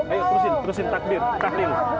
ayo terusin terusin takbir tahlil